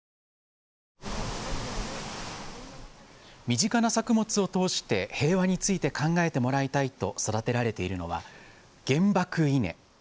身近な作物を通して平和について考えてもらいたいと育てられているのは原爆イネ。